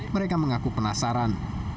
mereka mengaku penasaran